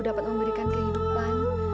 dapat memberikan kehidupan